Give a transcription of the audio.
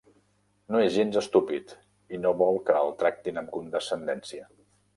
No és gens estúpid, i no vol que el tractin amb condescendència.